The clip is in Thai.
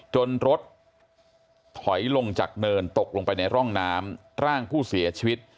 รถถอยลงจากเนินตกลงไปในร่องน้ำร่างผู้เสียชีวิต